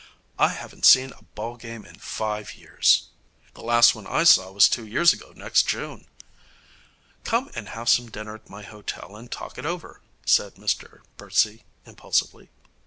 'I haven't seen a ball game in five years.' 'The last one I saw was two years ago next June.' 'Come and have some dinner at my hotel and talk it over,' said Mr Birdsey impulsively.